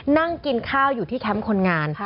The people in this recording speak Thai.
นั่งกินข้าวอยู่ที่แคมป์คนงาน